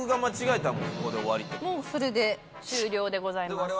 もうそれで終了でございます。